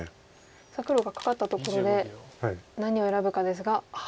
さあ黒がカカったところで何を選ぶかですが。